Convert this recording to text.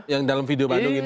yang dalam video bandung ini